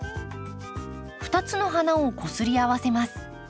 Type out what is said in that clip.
２つの花をこすり合わせます。